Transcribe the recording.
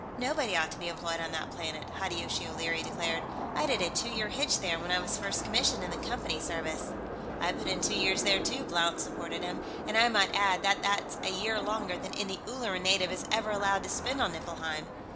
"Nobody ought to be employed on that planet!" Hideyoshi O'Leary declared. "I did a two year hitch there, when I was first commissioned in the Company service." "I put in two years there, too," Blount supported him. "And I might add that that's a year longer than any Ulleran native is ever allowed to spend on Niflheim.